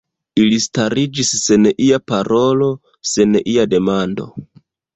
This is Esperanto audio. Ili stariĝis sen ia parolo, sen ia demando.